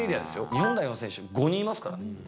日本代表の選手５人いますからね。